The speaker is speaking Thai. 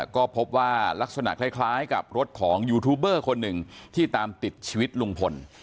ก็พบว่าลักษณะคล้ายกับรถของยูทูบเบอร์คนหนึ่งที่ตามติดชีวิตลุงพล